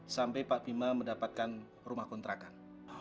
sampai pak bima mendapatkan rumah kontrakan